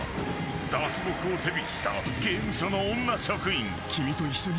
脱獄を手引きした刑務所の女職員。